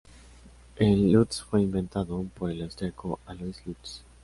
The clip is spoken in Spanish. El lutz fue inventado por el austríaco Alois Lutz.